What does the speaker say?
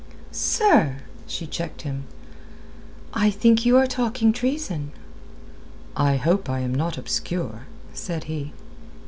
"Sir!" she checked him. "I think you are talking treason." "I hope I am not obscure," said he.